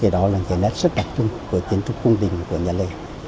đó là cái nét rất đặc trưng của kiến trúc cung đình của nhà lê